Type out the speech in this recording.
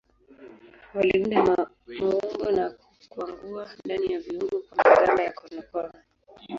Waliunda maumbo na kukwangua ndani ya viungu kwa magamba ya konokono.